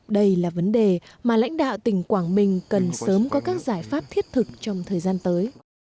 đây là vấn đề mà lãnh đạo tỉnh quảng bình cần sớm có các giải pháp thiết thực trong thời gian tới